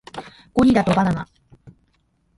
ゴリラとバナナ